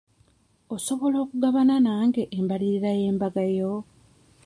Osobola okugabana nange embalirira y'embaga yo?